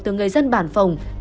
từ người dân bản phòng